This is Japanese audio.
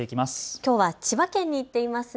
きょうは千葉県に行っていますね。